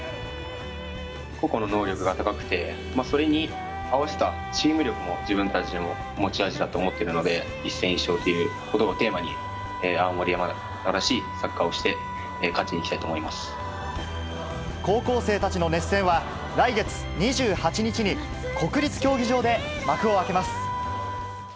個々の能力が高くて、それに合わせたチーム力も自分たちの持ち味だと思ってるので、一戦必勝ということばをテーマに、青森山田らしいサッカーをして、高校生たちの熱戦は、来月２８日に国立競技場で幕を開けます。